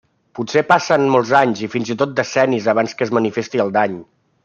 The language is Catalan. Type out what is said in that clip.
Potser passen molts anys o fins i tot decennis abans que es manifesti el dany.